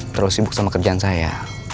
terus sibuk sama kerjaan saya